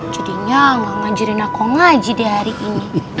jadinya gak ngajarin aku ngaji di hari ini